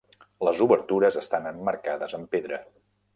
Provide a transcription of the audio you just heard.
Les obertures estan emmarcades amb pedra.